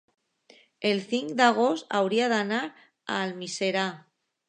El cinc d'agost hauria d'anar a Almiserà.